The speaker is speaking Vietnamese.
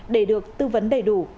để được tư vấn đầy đủ